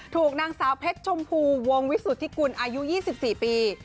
ถูกนางสาวเพชรชมพูวงวิสุทธิกุลอายุ๒๔ปี